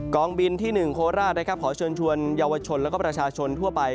องบินที่๑โคราชนะครับขอเชิญชวนเยาวชนแล้วก็ประชาชนทั่วไป